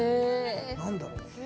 何だろうね。